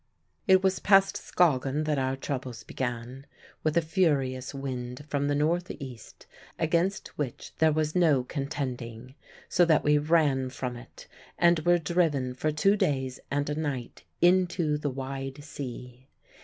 It was past Skagen that our troubles began, with a furious wind from the north east against which there was no contending, so that we ran from it and were driven for two days and a night into the wide sea.